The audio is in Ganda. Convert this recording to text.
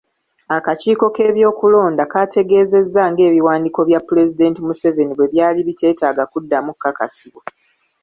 Akakiiko k'ebyokulonda kaategeezezza ng'ebiwandiiko bya Pulezidenti Museveni bwe byali biteetaaga kuddamu kakasibwa.